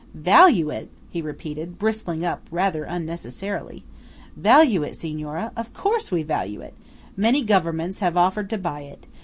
"Value it!" he repeated, bristling up rather unnecessarily. "Value it, Signora? Of course we value it. Many governments have offered to buy it.